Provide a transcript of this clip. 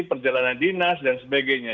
perjalanan dinas dan sebagainya